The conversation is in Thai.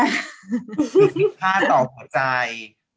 มีค่าต่อหัวใจ